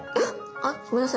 あごめんなさい。